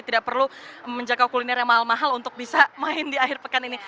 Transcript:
tidak perlu menjangkau kuliner yang mahal mahal untuk bisa main di akhir pekan ini